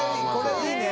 いいね。